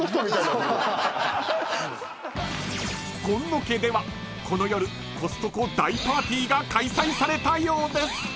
［今野家ではこの夜コストコ大パーティーが開催されたようです］